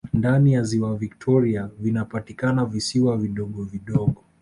Ndani ya Ziwa Viktoria vinapatikana visiwa vidogo vidogo